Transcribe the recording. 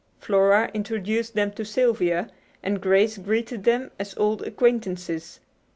Flora introduced them to Sylvia, and Grace greeted them as old acquaintances.